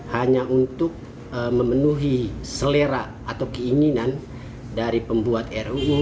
hanya untuk memenuhi selera atau keinginan dari pembuat ruu